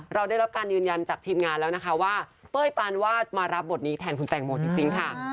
เราได้รับการยืนยันจากทีมงานแล้วนะคะว่าเป้ยปานวาดมารับบทนี้แทนคุณแตงโมจริงค่ะ